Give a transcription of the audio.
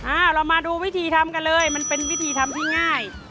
เรามาดูวิธีทำกันเลยมันเป็นวิธีทำที่ง่าย